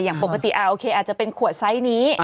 อย่างปกติโอเคอาจจะเป็นขวดไซส์นี้